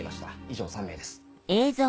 以上３名です。